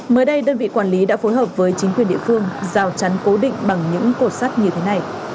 mới đây đơn vị quản lý đã phối hợp với chính quyền địa phương rào chắn cố định bằng những cột sắt như thế này